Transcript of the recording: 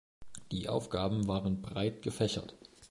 Die Aufgaben waren breit gefächert.